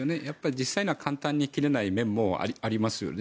実際には簡単に切れない面もありますよね。